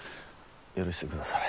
許してくだされ。